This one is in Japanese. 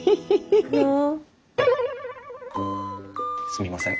すみません